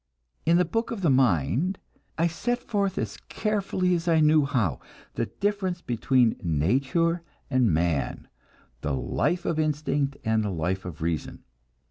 In the Book of the Mind I set forth as carefully as I knew how, the difference between nature and man, the life of instinct and the life of reason.